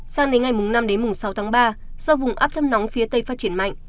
sáng đến ngày mùng năm sáu tháng ba do vùng áp thâm nóng phía tây phát triển mạnh